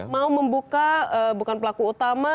mau membuka bukan pelaku utama